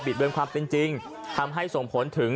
เบือนความเป็นจริงทำให้ส่งผลถึง